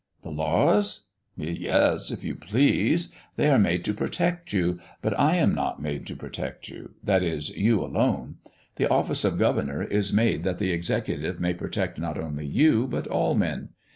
"The laws? Yes, if you please. They are made to protect you, but I am not made to protect you that is, you alone. The office of governor is made that the executive may protect not only you, but all men.